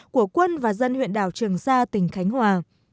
của quân và dân huyện đảo trường sa tỉnh khánh hòa